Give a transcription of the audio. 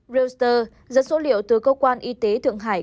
reuter dẫn số liệu từ cơ quan y tế thượng hải